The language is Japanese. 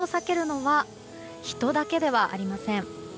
日差しを避けるのは人だけではありません。